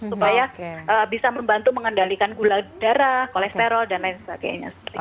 supaya bisa membantu mengendalikan gula darah kolesterol dan lain sebagainya